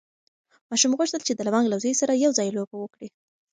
ماشوم غوښتل چې د لونګ له زوی سره یو ځای لوبه وکړي.